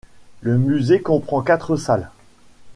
Le musée comprend quatre salles.